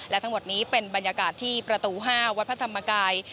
และทั้งหมดนี้เป็นบรรยากาศที่ประตู๕วัดพระธรรมกาย